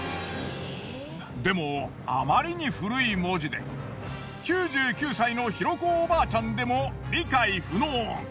でもあまりに古い文字で９９歳の尋子おばあちゃんでも理解不能。